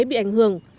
bị ảnh hưởng